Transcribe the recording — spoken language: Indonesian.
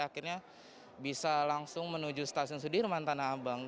akhirnya bisa langsung menuju stasiun sudirman tanah abang